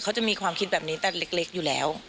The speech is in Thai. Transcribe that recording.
จะมีความคิดแบบนี้แต่เล็กอยู่แล้ว